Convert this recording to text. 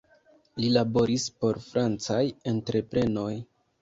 Li laboris por francaj entreprenoj.